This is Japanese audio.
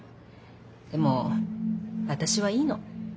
でも私はいいの。